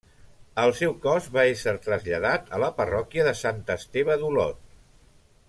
El seu cos va ésser traslladat a la parròquia de Sant Esteve d'Olot.